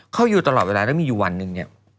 เขาอยู่ตลอดเวลาแล้วมีอยู่วันหนึ่งเนี่ย